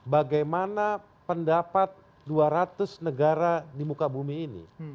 bagaimana pendapat dua ratus negara di muka bumi ini